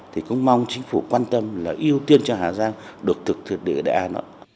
thì cũng mong chính phủ quan tâm là ưu tiên cho hà giang được thực thực địa đại đó